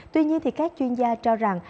tuy nhiên thì các chuyên gia cho rằng